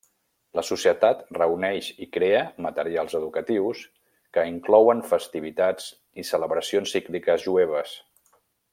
La societat reuneix i crea materials educatius que inclouen festivitats i celebracions cícliques jueves.